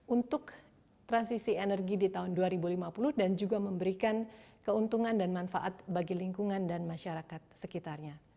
untuk transisi energi di tahun dua ribu lima puluh dan juga memberikan keuntungan dan manfaat bagi lingkungan dan masyarakat sekitarnya